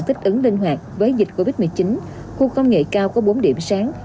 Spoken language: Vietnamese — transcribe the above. thích ứng linh hoạt với dịch covid một mươi chín khu công nghệ cao có bốn điểm sáng